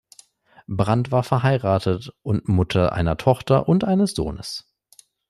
Brandt war verheiratet und Mutter einer Tochter und eines Sohnes.